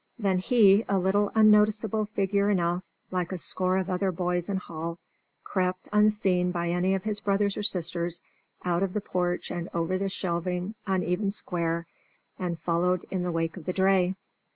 Then he, a little unnoticeable figure enough, like a score of other boys in Hall, crept, unseen by any of his brothers or sisters, out of the porch and over the shelving uneven square, and followed in the wake of the dray.